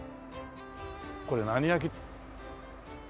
これ何焼き？